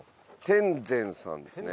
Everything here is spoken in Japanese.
典膳さんですね。